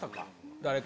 誰か。